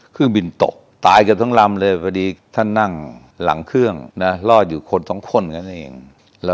เครื่องบินตกตายกับทั้งลำเลยพอดีท่านนั่งหลังเครื่องนะล